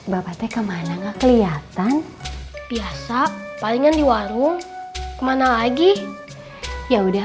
bapak teh kemana gak kelihatan biasa palingan di warung kemana lagi ya udah